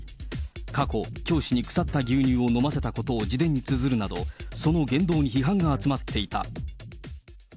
過去、教師に腐った牛乳を飲ませたことを自伝につづるなど、その言動に批判が集まっていた。